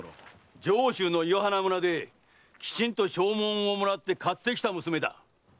上州の岩鼻村できちんと証文をもらって買ってきた娘だ。